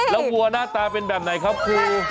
แล้ววัวหน้าตาเป็นแบบไหนครับครู